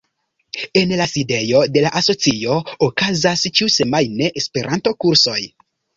En la sidejo de la Asocio okazas ĉiusemajne Esperanto-kursoj.